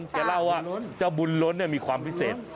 แกเล่าว่าเจ้าบุญล้นมีความพิเศษ